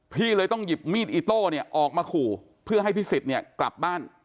พี่เลยต้องหยิบมีดอิโต้เนี่ยออกมาขู่เพื่อให้พิสิทธิ์เนี่ยกลับบ้าน